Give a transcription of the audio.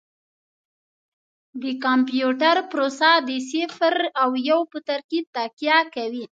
د کمپیوټر پروسه د صفر او یو په ترکیب تکیه کوي.